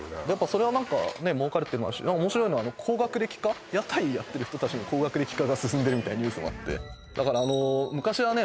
それは何か儲かるっていうのもあるし面白いのは高学歴化屋台やってる人たちの高学歴化が進んでるみたいなニュースもあってだから昔はね